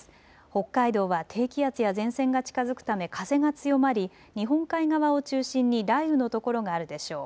北海道は低気圧や前線が近づくため風が強まり日本海側を中心に雷雨の所があるでしょう。